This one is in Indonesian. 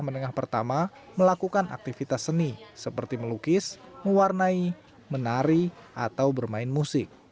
menengah pertama melakukan aktivitas seni seperti melukis mewarnai menari atau bermain musik